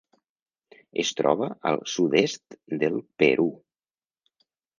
Es troba al sud-est del Perú.